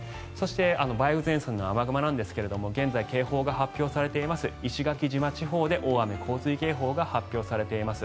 梅雨前線の雨雲ですが現在警報が発表されています石垣島地方で大雨・洪水警報が発表されています。